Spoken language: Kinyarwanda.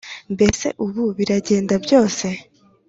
mbese ubu biragenda byose